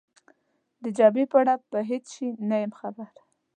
د جبهې په اړه په هېڅ شي نه یم خبر.